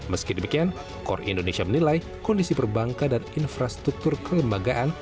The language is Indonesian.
meski demikian kor indonesia menilai kondisi perbankan dan infrastruktur kelembagaan